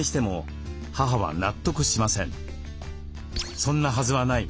「そんなはずはない。